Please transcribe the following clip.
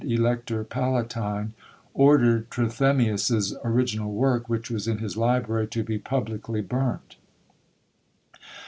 Elector Palatine, ordered Trithemius's original work, which was in his library, to be publicly burnt.